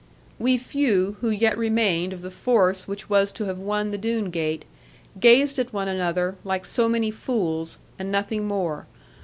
We few, who yet remained of the force which was to have won the Doone gate, gazed at one another, like so many fools, and nothing more.